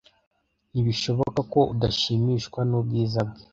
Ntibishoboka ko udashimishwa n'ubwiza bwe.